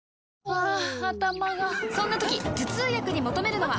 ハァ頭がそんな時頭痛薬に求めるのは？